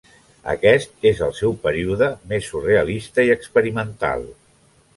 Aquest és el seu període més surrealista i experimental.